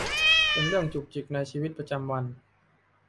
เป็นเรื่องจุกจิกในชีวิตประจำวัน